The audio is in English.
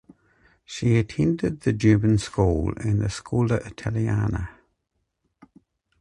She attended the German School and the Scuola Italiana.